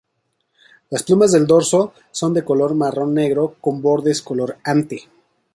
Las plumas del dorso son de color marrón-negro con bordes color ante.